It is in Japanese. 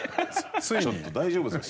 ちょっと大丈夫ですか？